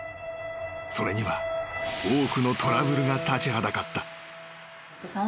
［それには多くのトラブルが立ちはだかった］